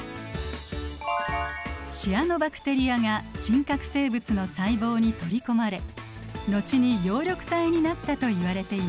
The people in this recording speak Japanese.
シアノバクテリアが真核生物の細胞に取り込まれ後に葉緑体になったといわれています。